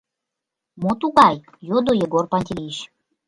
— Мо тугай? — йодо Егор Пантелеич.